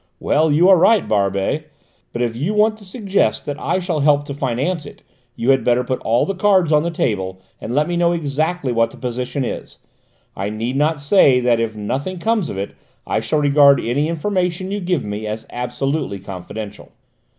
"Well, you are quite right, Barbey. But if you want to suggest that I shall help to finance it, you had better put all the cards on the table and let me know exactly what the position is; I need not say that if nothing comes of it, I shall regard any information you give me as absolutely confidential."